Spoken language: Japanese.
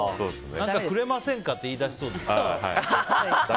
何かくれませんかって言い出しそうで。